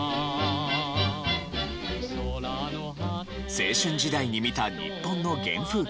青春時代に見た日本の原風景。